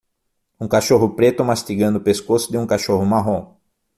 Um cachorro preto mastigando o pescoço de um cachorro marrom